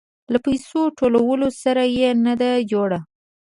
له پيسو ټولولو سره يې نه ده جوړه.